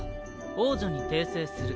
「王女」に訂正する。